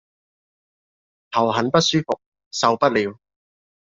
頭很不舒服，受不了